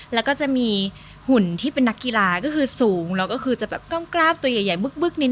แล้วก็จะมีหุ่นที่เป็นนักกีฬาก็คือสูงแล้วก็คือจะแบบกล้องกล้ามตัวใหญ่บึ๊กนิ้